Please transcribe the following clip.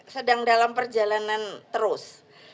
sedang dalam perjalanan terus